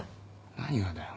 何がだよ？